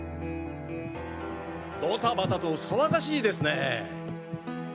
ドタバタと騒がしいですねぇ。